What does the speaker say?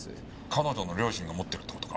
彼女の両親が持ってるって事か。